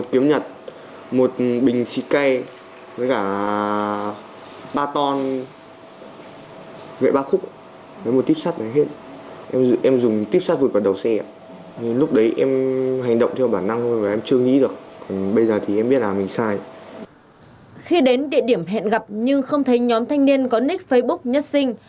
khi đến địa điểm hẹn gặp nhưng không thấy nhóm thanh niên có nick facebook nhất sinh